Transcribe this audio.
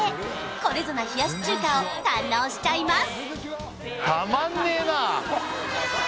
これぞな冷やし中華を堪能しちゃいます！